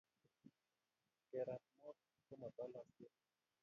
kerat mok komo tolosiet